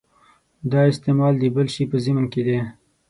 دا استعمال د بل شي په ضمن کې دی.